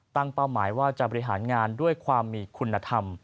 เป้าหมายว่าจะบริหารงานด้วยความมีคุณธรรม